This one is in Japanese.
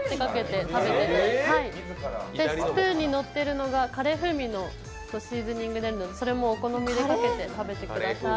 スプーンにのっているのが、カレー風味のシーズニングなので、それもお好みでかけて食べてください。